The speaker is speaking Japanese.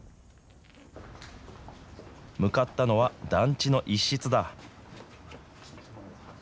向かったのは、団地の一室だ。